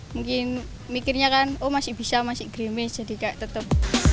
mungkin mikirnya kan oh masih bisa masih grimis jadi kayak tetap